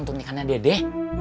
untuk nikahannya dede